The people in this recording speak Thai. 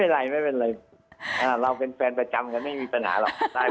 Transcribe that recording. อะไรไม่เป็นไรเราเป็นแฟนประจำกันไม่มีปัญหาหรอก